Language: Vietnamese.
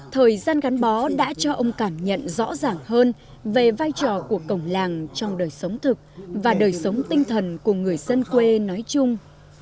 thời gian gắn bó đã cho ông cảm nhận rõ ràng hơn về vai trò của cổng làng trong đời sống thực và đời sống tinh thần của người dân quê nói chung